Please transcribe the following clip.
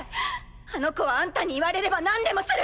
あの子はあんたに言われればなんでもする。